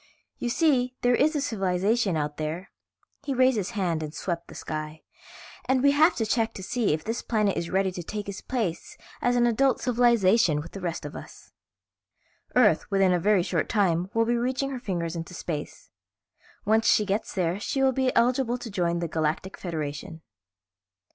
You see, there is a civilization out there," he raised his hand and swept the sky, "and we have to check to see if this planet is ready to take its place as an adult civilization with the rest of us. "Earth, within a very short time, will be reaching her fingers into space. Once she gets there she will be eligible to join the Galactic Federation."